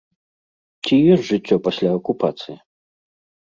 Ці ёсць жыццё пасля акупацыі?